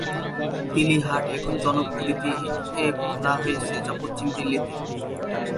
দিলি হাট এখন জনক পুরীতে খোলা হয়েছে যা পশ্চিম দিল্লিতে।